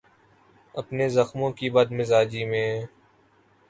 اپنے زخموں کی بد مزاجی میں